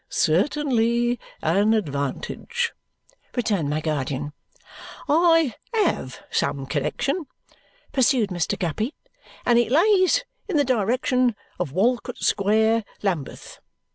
"Certainly an advantage," returned my guardian. "I HAVE some connexion," pursued Mr. Guppy, "and it lays in the direction of Walcot Square, Lambeth.